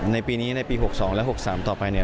ในปีนี้ในปี๖๒และ๖๓ต่อไปเนี่ย